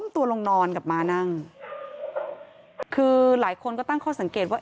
ตัวลงนอนกับม้านั่งคือหลายคนก็ตั้งข้อสังเกตว่า